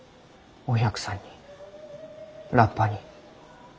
お百さんにラッパに。